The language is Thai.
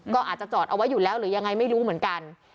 ก็อาจจะจอดเอาไว้อยู่แล้วหรือยังไงไม่รู้เหมือนกัน